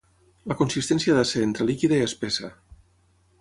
La consistència ha de ser entre líquida i espessa.